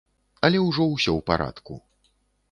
Але ўжо ўсё ў парадку.